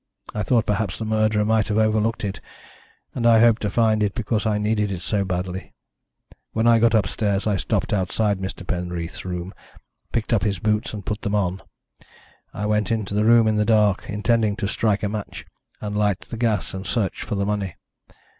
I thought perhaps the murderer might have overlooked it, and I hoped to find it because I needed it so badly. When I got upstairs I stopped outside Mr. Penreath's room, picked up his boots, and put them on. I went into the room in the dark, intending to strike a match, and light the gas, and search for the money.